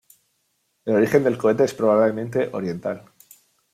El origen del cohete es probablemente oriental.